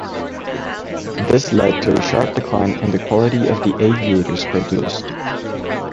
This led to a sharp decline in the quality of the aviators produced.